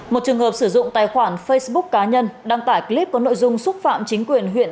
một trường hợp sử dụng tài khoản facebook cá nhân đăng tải clip có nội dung xúc phạm chính quyền huyện